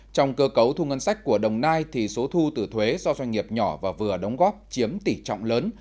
trong cơ cấu thu ngân sách của đồng nai thì số thu từ thuế do doanh nghiệp nhỏ và vừa đóng góp chiếm tỷ trọng lớn